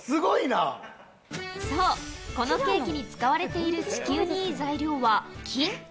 そう、このケーキに使われている地球にいい材料は木。